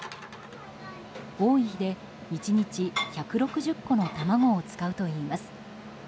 多い日で１日１６０個の卵を使うといいます。